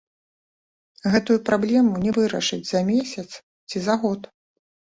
Гэтую праблему не вырашыць за месяц ці за год.